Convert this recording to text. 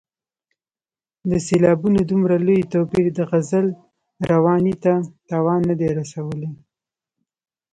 د سېلابونو دومره لوی توپیر د غزل روانۍ ته تاوان نه دی رسولی.